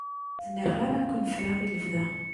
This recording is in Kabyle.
Ur zmireɣ ara ad ken-ffreɣ i lebda.